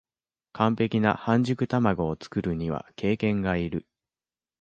完璧な半熟たまごを作るには経験がいる